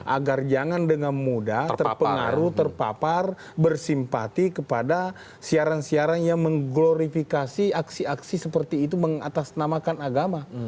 agar jangan dengan mudah terpengaruh terpapar bersimpati kepada siaran siaran yang mengglorifikasi aksi aksi seperti itu mengatasnamakan agama